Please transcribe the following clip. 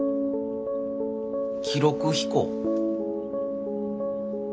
記録飛行？